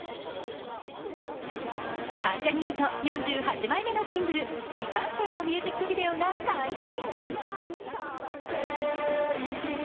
関ジャニ∞、４８枚目のシングル「未完成」のミュージックビデオが解禁。